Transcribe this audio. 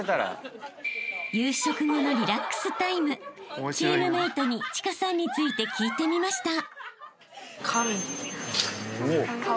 ［夕食後のリラックスタイムチームメートに千佳さんについて聞いてみました］